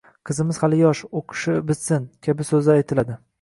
«Qizimiz hali yosh», «o’qishi bitsin» kabi so’zlar aytiladi.